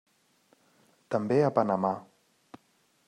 També a Panamà.